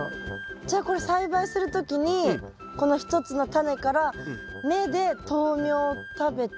じゃあこれ栽培する時にこの一つのタネから芽で豆苗を食べて。